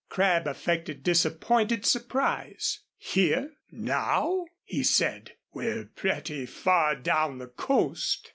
Crabb affected disappointed surprise. "Here? Now?" he said. "We're pretty far down the coast.